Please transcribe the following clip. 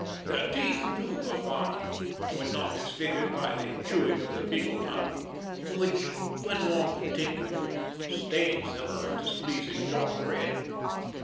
The teeth, too, were fine, when not disfigured by the chewing of the betel nut, which, when long continued, stains them a displeasing dark red.